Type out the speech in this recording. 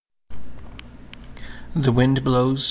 The Wind Blows.